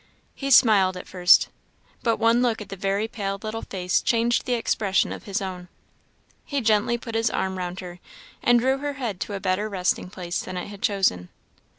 He smiled at first, but one look at the very pale little face changed the expression of his own. He gently put his arm round her, and drew her head to a better resting place than it had chosen.